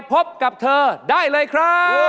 สวัสดีค่ะ